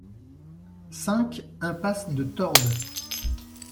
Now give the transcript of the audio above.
cinq impasse de Tordes